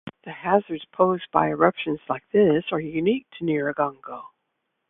The hazards posed by eruptions like this are unique to Nyiragongo.